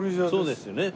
そうですよね。